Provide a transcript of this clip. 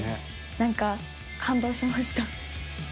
なんか感動しました。